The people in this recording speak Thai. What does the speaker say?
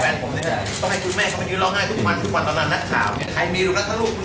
ผมก็อายุมากแล้วแค่ในบ้านฝ่ายชีวิตผมจะออกก็ได้